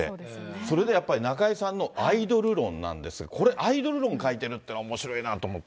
それでやっぱり中居さんのアイドル論なんですけれども、これ、アイドル論書いてるっていうのはおもしろいなって思って。